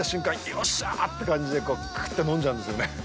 よっしゃーって感じでクーっと飲んじゃうんですよね。